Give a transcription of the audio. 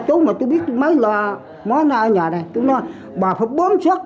cháu mà chú biết mấy loa mấy loa ở nhà này chú nói bà phúc bốm xuất